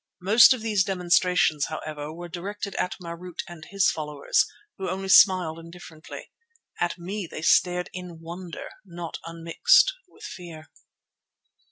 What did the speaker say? Most of these demonstrations, however, were directed at Marût and his followers, who only smiled indifferently. At me they stared in wonder not unmixed with fear.